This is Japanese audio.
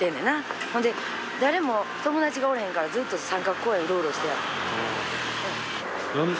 ほんで誰も友達がおれへんからずっと三角公園うろうろして。